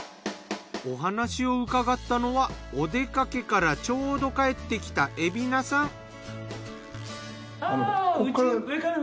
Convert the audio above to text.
お話を伺ったのはお出かけからちょうど帰ってきた海老名さん。